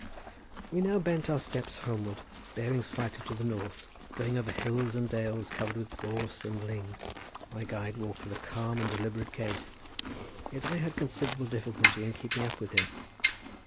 We now bent our steps homeward, bearing slightly to the north, going over hills and dales covered with gorse and ling. My guide walked with a calm and deliberate gait, yet I had considerable difficulty in keeping up with him.